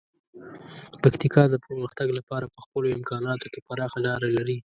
پکتیکا د پرمختګ لپاره په خپلو امکاناتو کې پراخه لاره لري.